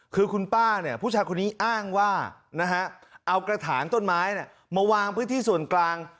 คือคุณป้าเนี่ยผู้ชายคนนี้อ้างว่าเอากระถางต้นไม้มาวางพื้นที่ส่วนกลาง